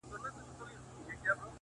• زما سره اوس لا هم د هغي بېوفا ياري ده،